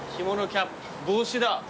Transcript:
キャップ帽子だ。